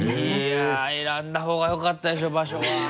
いや選んだほうがよかったでしょ場所は。